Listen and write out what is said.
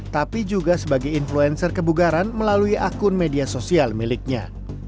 tapi juga sebagai influencer kebugaran melalui akun media sosial miliknya